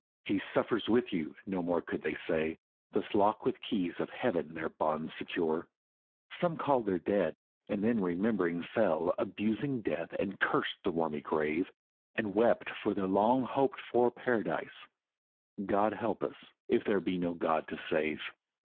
"He suffers with you," no more could they say, Thus lock with keys of Heaven their bonds secure, Some called their dead, and then remembering fell Abusing death and cursed the wormy grave, And wept for their long hoped for Paradise, "God help us if there be no God to save!"